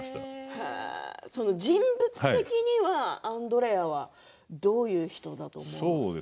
人物的には、アンドレアはどういう人だと？